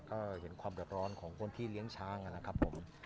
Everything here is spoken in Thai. ก็เห็นความเดือดร้อนของคนที่เลี้ยงช้างนะครับผม